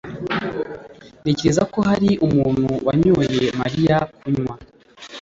Ntekereza ko hari umuntu wanyoye Mariya kunywa